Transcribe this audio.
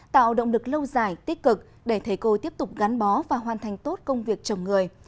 tạo động lực lâu dài tích cực để thầy cô tiếp tục gắn bó và hoàn thành tốt công việc chồng người